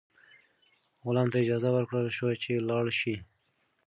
غلام ته اجازه ورکړل شوه چې لاړ شي.